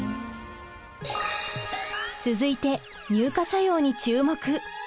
続いて乳化作用に注目！